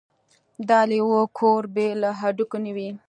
د لېوه کور بې له هډوکو نه وي.